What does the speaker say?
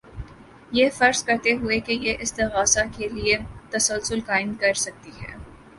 یہ فرض کرتے ہوئے کہ یہ استغاثہ کے لیے تسلسل قائم کر سکتی ہے